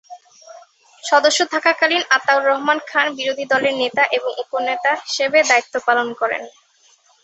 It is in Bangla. সদস্য থাকাকালীন আতাউর রহমান খান বিরোধী দলের নেতা এবং উপনেতা হিসেবে দায়িত্ব পালন করেন।